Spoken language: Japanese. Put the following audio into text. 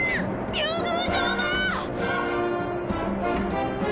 竜宮城だ！